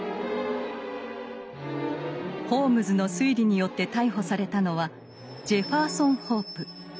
ホームズの推理によって逮捕されたのはジェファーソン・ホープ。